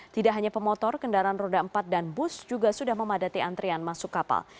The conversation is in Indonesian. tidak hanya pemotor kendaraan roda empat dan bus juga sudah memadati antrian masuk kapal